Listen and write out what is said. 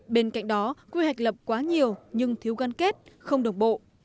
bên cạnh đó quy hoạch lập quá nhiều nhưng thiếu gân kết không đồng bộ